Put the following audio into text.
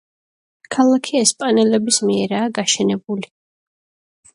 ქალაქი ესპანელების მიერაა გაშენებული.